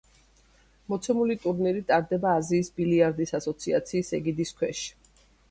მოცემული ტურნირი ტარდება აზიის ბილიარდის ასოციაციის ეგიდის ქვეშ.